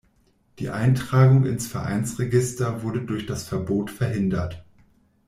Die Eintragung ins Vereinsregister wurde durch das Verbot verhindert.